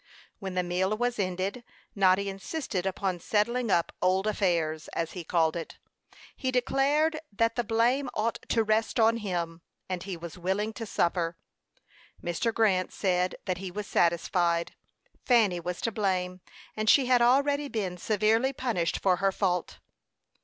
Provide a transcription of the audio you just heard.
When the meal was ended, Noddy insisted upon "settling up old affairs," as he called it. He declared that the blame ought to rest on him, and he was willing to suffer. Mr. Grant said that he was satisfied. Fanny was to blame, and she had already been severely punished for her fault.